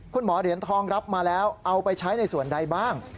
คุณหมอเหรียญทองรับมาแล้วเอาไปใช้ในส่วนใดบ้าง